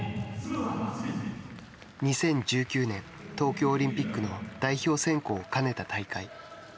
２０１９年、東京オリンピックの代表選考を兼ねた大会。